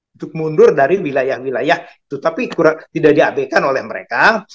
untuk mundur dari wilayah wilayah itu tapi tidak diabaikan oleh mereka